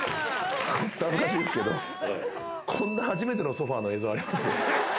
本当恥ずかしいですけど、こんな初めてのソファの映像あります？